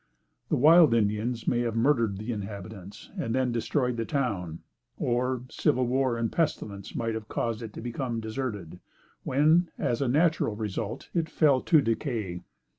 The wild Indians may have murdered the inhabitants, and then destroyed the town; or, civil war and pestilence might have caused it to become deserted, when, as a natural result, it fell to decay.